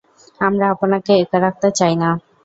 আমরা আপনাকে একা রাখতে চাই না।